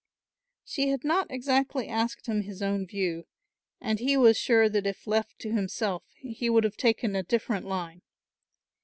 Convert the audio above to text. She had not exactly asked him his own view, and he was sure that if left to himself he would have taken a different line.